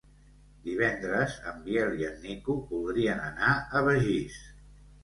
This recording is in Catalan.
Divendres en Biel i en Nico voldrien anar a Begís.